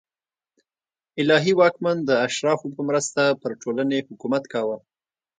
الهي واکمن د اشرافو په مرسته پر ټولنې حکومت کاوه